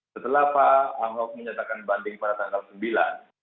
setelah pak ahok menyatakan banding pada tanggal sembilan